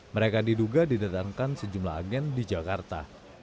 mereka diduga didatangkan sejumlah agen di jakarta